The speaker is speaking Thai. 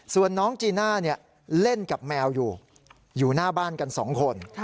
ส่วนน้องจีน่าเล่นกับแมวอยู่อยู่หน้าบ้านกัน๒คน